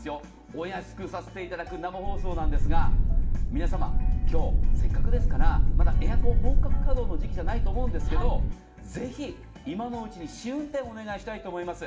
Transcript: お安くさせていただく生放送なんですが皆様、今日、せっかくですからまだエアコン本格稼働の時期じゃないと思いますがぜひ今のうちに、試運転をお願いしたいと思います。